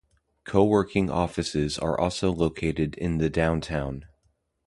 Co-working offices are also located in the downtown.